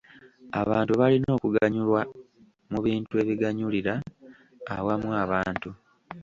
Abantu balina okuganyulwa mu bintu ebiganyulira awamu abantu.